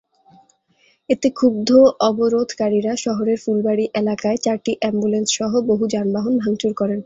এতে ক্ষুব্ধ অবরোধকারীরা শহরের ফুলবাড়ী এলাকায় চারটি অ্যাম্বুলেন্সসহ বহু যানবাহন ভাঙচুর করেন।